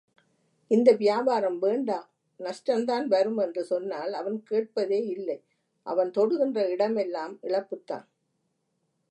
இந்த வியாபாரம் வேண்டா நஷ்டம்தான் வரும் என்று சொன்னால் அவன் கேட்பதே இல்லை அவன் தொடுகின்ற இடமெல்லாம் இழப்புதான்.